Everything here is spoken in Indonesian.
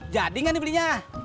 jadi nggak dibelinya